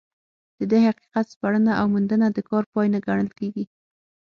د دې حقیقت سپړنه او موندنه د کار پای نه ګڼل کېږي.